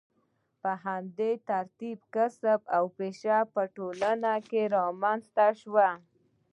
په همدې ترتیب کسب او پیشه په ټولنه کې رامنځته شوه.